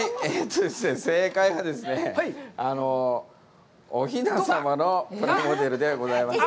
正解は、おひな様のプラモデルでございます。